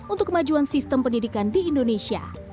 untuk kemajuan sistem pendidikan di indonesia